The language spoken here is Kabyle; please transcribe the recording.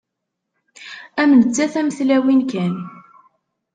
Am nettat am tlawin kan.